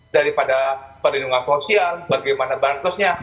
daripada perlindungan sosial bagaimana barang sosnya